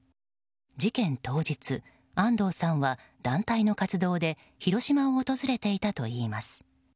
事件当日、安藤さんは団体の活動で広島を訪れていたといいます。